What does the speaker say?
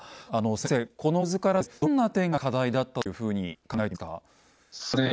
先生この構図からですねどんな点が課題だったというふうに考えていますか？